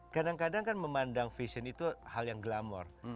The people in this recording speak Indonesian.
kadang kadang kan memandang fashion itu hal yang glamor